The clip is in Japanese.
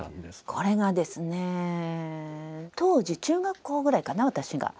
これがですね当時中学校ぐらいかな私が。